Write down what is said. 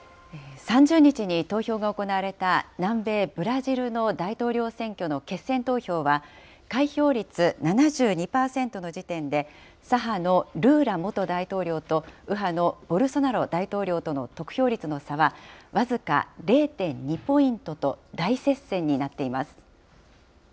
３０日に投票が行われた南米ブラジルの大統領選挙の決選投票は、開票率７２％の時点で、左派のルーラ元大統領と、右派のボルソナロ大統領との得票率の差は僅か０．２ポイントと、大接戦になっています。